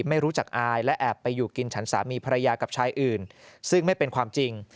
ไม่รู้จักอายและแอบไปอยู่กินฉันสามีภรรยากับชายอื่นซึ่งไม่เป็นความจริง